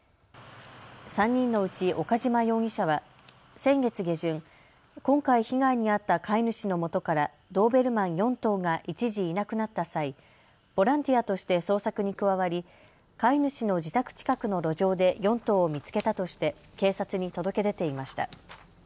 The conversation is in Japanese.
３人のうち岡島容疑者は先月下旬、今回、被害に遭った飼い主のもとからドーベルマン４頭が一時いなくなった際ボランティアとして捜索に加わり飼い主の自宅近くの路上で４頭を見つけたとして警察に届け出ていました。